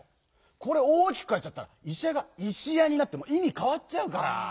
これを大きくかいちゃったら「いしゃ」が「いしや」になっていみかわっちゃうから！